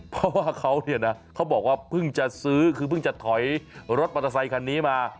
เพราะว่าเขาเนี่ยนะเขาบอกว่าเพิ่งจะซื้อคือเพิ่งจะถอยรถมอเตอร์ไซคันนี้มา